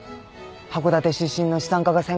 函館出身の資産家が戦後にね。